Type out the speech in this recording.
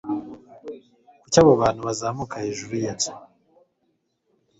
Kuki abo bantu bazamuka hejuru yinzu